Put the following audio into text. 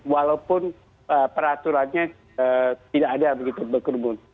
walaupun peraturannya tidak ada begitu berkerumun